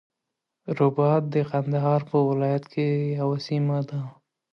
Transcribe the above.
رباط د قندهار په ولایت کی یوه سیمه ده.